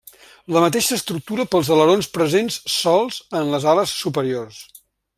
La mateixa estructura pels alerons presents sols en les ales superiors.